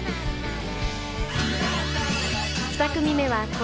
［２組目は］